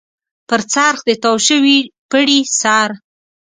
پر څرخ د تاو شوي پړي سر.